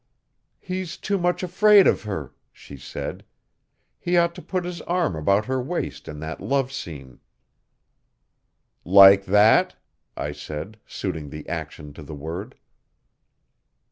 'He's too much afraid of her,' she said, 'he ought to put his arm about her waist in that love scene.' 'Like that,' I said, suiting the action to the word.